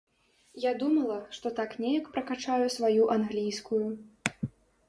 Я думала, што так неяк пракачаю сваю англійскую.